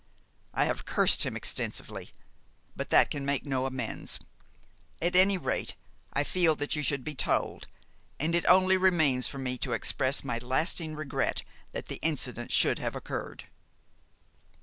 I have cursed him extensively; but that can make no amends. At any rate, I feel that you should be told, and it only remains for me to express my lasting regret that the incident should have occurred."